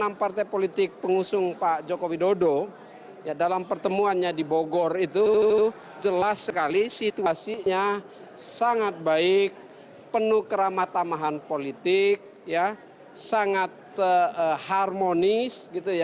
karena partai politik pengusung pak jokowi dodo dalam pertemuannya di bogor itu jelas sekali situasinya sangat baik penuh keramat tamahan politik sangat harmonis